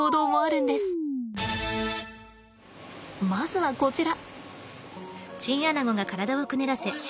まずはこちら。